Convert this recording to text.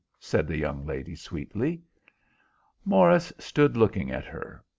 said the young lady, sweetly. Morris stood looking at her.